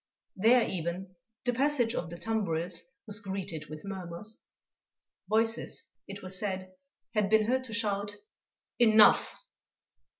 There even, the passage of the tumbrils was greeted with murmurs. Voices, it was said, had been heard to shout: "Enough!"